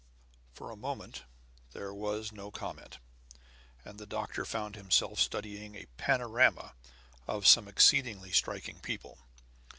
For a moment there was no comment, and the doctor found himself studying a "panorama" of some exceedingly striking people.